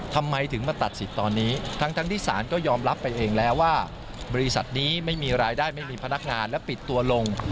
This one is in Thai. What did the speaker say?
ทำไมถึงมาตัดสิทธิ์ตอนนี้ทั้งที่สารก็ยอมรับไปเองแล้วว่าบริษัทนี้ไม่มีรายได้ไม่มีพนักงานและปิดตัวลง